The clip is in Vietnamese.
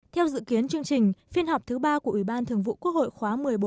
theo dự kiến chương trình phiên họp thứ ba của ủy ban thường vụ quốc hội khóa một mươi bốn